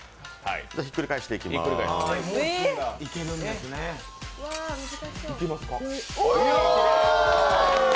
ひっくり返していきます。